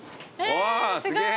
わあすげえ。